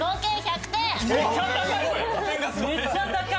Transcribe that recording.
めっちゃ高いね！